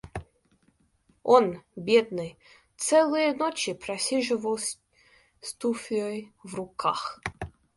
Он, бедный, целые ночи просиживал с туфлёй в руках...